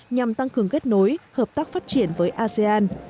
nhằm tăng cường kết nối hợp tác phát triển với asean